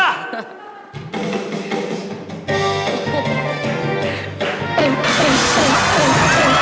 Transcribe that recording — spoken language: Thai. ท่านก็ได้แบบนี้